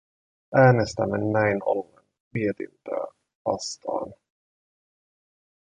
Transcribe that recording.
Äänestämme näin ollen mietintöä vastaan.